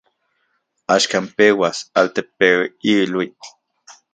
Axkan peuas altepeiluitl.